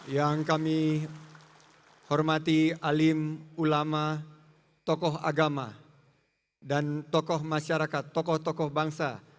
yang kami hormati alim ulama tokoh agama dan tokoh masyarakat tokoh tokoh bangsa